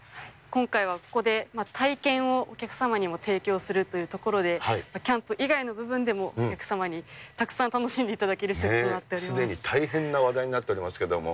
今回はここで体験をお客様に提供するというところで、キャンプ以外の部分でもお客様にたくさん楽しんでいただける施設すでに大変な話題になっておりますけれども。